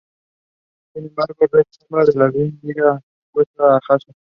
Sin embargo, Red, la sombra de Adelaide, llega y secuestra a Jason.